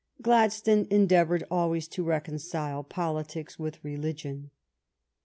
Gladstone endeavored always to reconcile politics with religion.